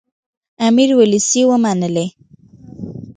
امیر وسلې ومنلې.